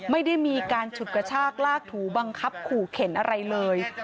ไม่ได้มีการฉุดกระชากลากถูบังคับขู่เข็นอะไรเลย